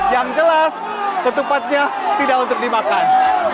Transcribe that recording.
yang jelas ketupatnya tidak untuk dimakan